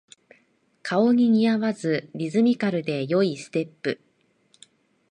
顔に似合わずリズミカルで良いステップ